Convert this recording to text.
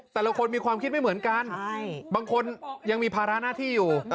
แต่ละคนมีความคิดไม่เหมือนกันบางคนยังมีภาระหน้าที่อยู่